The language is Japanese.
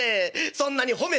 そんなに褒めて」。